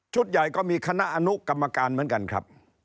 ใหญ่ก็มีคณะอนุกรรมการเหมือนกันครับ